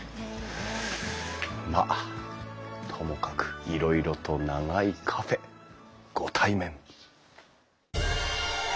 まあともかくいろいろと長いカフェご対面！